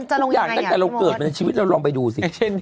ทุกอย่างตั้งแต่เราเกิดมาในชีวิตเราลองไปดูสิ